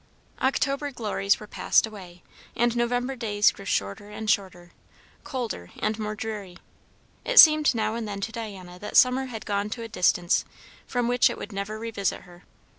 October glories were passed away, and November days grew shorter and shorter, colder and more dreary. It seemed now and then to Diana that summer had gone to a distance from which it would never revisit her.